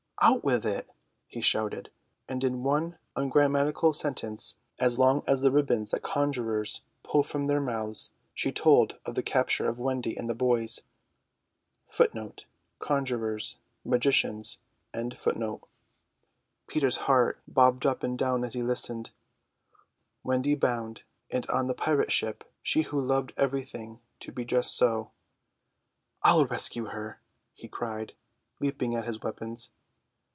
"Out with it!" he shouted, and in one ungrammatical sentence, as long as the ribbons that conjurers pull from their mouths, she told of the capture of Wendy and the boys. Peter's heart bobbed up and down as he listened. Wendy bound, and on the pirate ship; she who loved everything to be just so! "I'll rescue her!" he cried, leaping at his weapons.